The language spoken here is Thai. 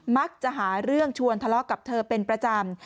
มักจะหาเรื่องชวนทะเลาะกับเธอเป็นประจำ